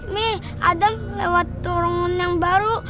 mie adam lewat terowongan yang baru